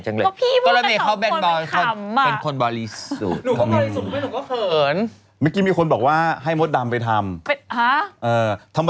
ไหมข้มีคนบอกว่าให้มสดำไปทำ